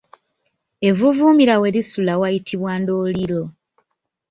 Evvuuvuumira we lisula wayitibwa Ndoliiro.